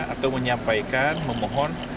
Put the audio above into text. atau menyampaikan memohon